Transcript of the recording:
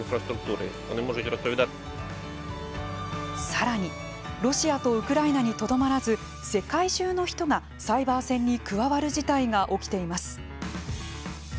さらに、ロシアとウクライナにとどまらず世界中の人が、サイバー戦に加わる事態が起きています。